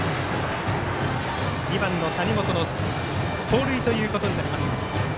２番の谷本の盗塁ということになります。